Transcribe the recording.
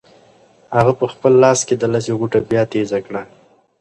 هغه په خپل لاس کې د لسي غوټه بیا تېزه کړه.